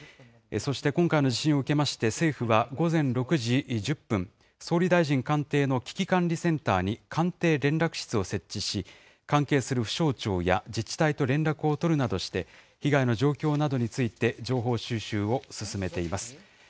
そして今回の地震を受けまして、政府は午前６時１０分、総理大臣官邸の危機管理センターに官邸連絡室を設置し、関係する府省庁や自治体と連絡を取るなどして、被害の状況などについて情報収集を進めています。